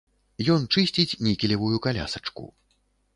Ён чысціць нікелевую калясачку.